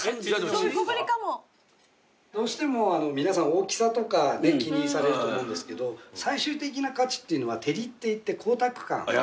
どうしても皆さん大きさとか気にされると思うんですけど最終的な価値っていうのは照りっていって。